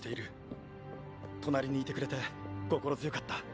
隣にいてくれて心強かった。